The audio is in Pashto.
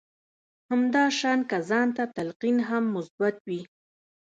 همدا شان که ځان ته تلقين هم مثبت وي.